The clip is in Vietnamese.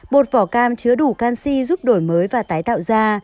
bột vỏ cam chứa đủ canxi giúp đổi mới và tái tạo ra